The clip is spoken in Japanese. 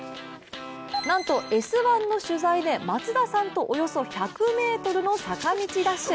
なんと「Ｓ☆１」の取材で松田さんとおよそ１００ｍの坂道ダッシュ。